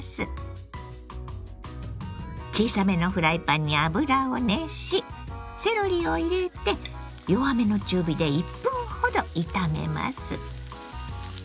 小さめのフライパンに油を熱しセロリを入れて弱めの中火で１分ほど炒めます。